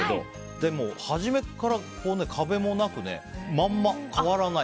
でも、初めから壁もなくまんま、変わらない。